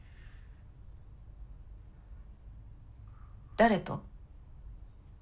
誰と？